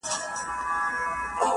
خټي کوم.